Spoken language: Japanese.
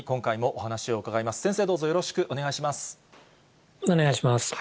お願いします。